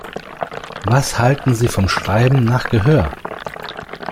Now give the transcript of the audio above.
Was halten Sie vom Schreiben nach Gehör?